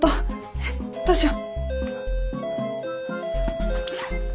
えっどうしよ。